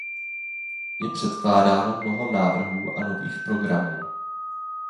Je předkládáno mnoho návrhů a nových programů.